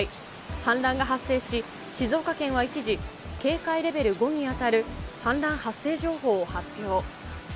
氾濫が発生し、静岡県は一時、警戒レベル５に当たる氾濫発生情報を発表。